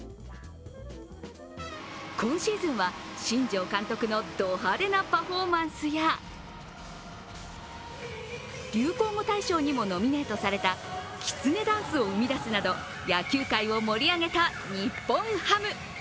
今シーズンは新庄監督のド派手なパフォーマンスや流行語大賞にもノミネートされたきつねダンスを生み出すなど野球界を盛り上げた日本ハム。